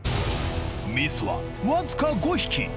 ミスは僅か５匹。